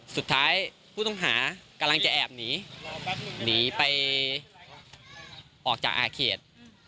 สุดท้ายผู้ต้องหากำลังจะแอบหนีหนีไปออกจากอ่าเขต